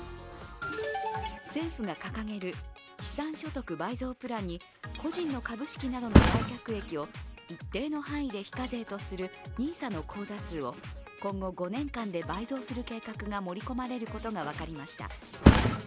政府が掲げる資産所得倍増プランに個人の株式などの売却益を一定の範囲内で非課税とするＮＩＳＡの口座数を今後５年間で倍増する計画が盛り込まれることが分かりました。